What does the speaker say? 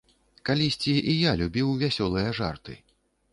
Калісьці і я любіў вясёлыя жарты.